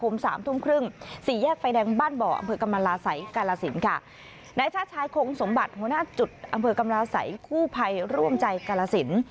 อำเภอกรรมราศัยคู่ภัยร่วมใจกรสิน